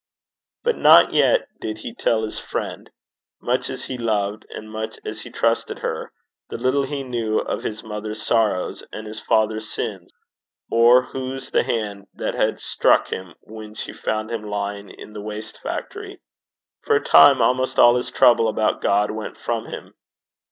But not yet did he tell his friend, much as he loved and much as he trusted her, the little he knew of his mother's sorrows and his father's sins, or whose the hand that had struck him when she found him lying in the waste factory. For a time almost all his trouble about God went from him.